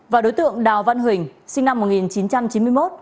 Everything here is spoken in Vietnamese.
và đối tượng đào văn huỳnh sinh năm một nghìn chín trăm chín mươi một